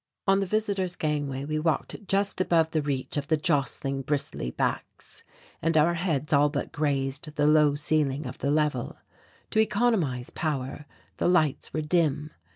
On the visitors' gangway we walked just above the reach of the jostling bristly backs, and our own heads all but grazed the low ceiling of the level. To economize power the lights were dim.